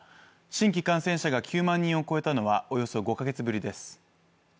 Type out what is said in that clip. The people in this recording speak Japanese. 新規感染者が９万人を超えたのはおよそ５か月ぶりです。